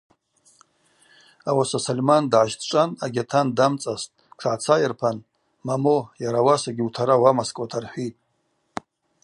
Ауаса Сольман дгӏащтӏчӏван агьатан дамцӏастӏ, тшгӏацайырпан: – Момо, йарауасагьи утара уамаскӏуата рхӏвитӏ.